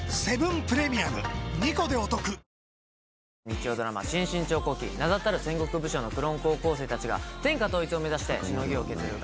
日曜ドラマ『新・信長公記』名だたる戦国武将のクローン高校生たちが天下統一を目指してしのぎを削る